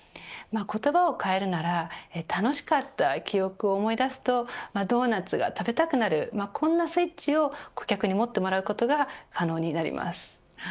言葉を変えるなら楽しかった記憶を思い出すとドーナツが食べたくなるこんなスイッチを顧客に持ってもらうことが可能になります。